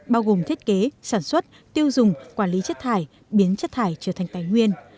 bao gồm thiết kế sản xuất tiêu dùng quản lý chất thải biến chất thải trở thành tài nguyên